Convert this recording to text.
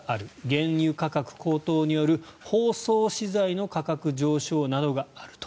原油価格高騰による包装資材の価格上昇などがある。